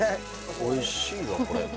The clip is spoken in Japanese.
おいしいわこれ。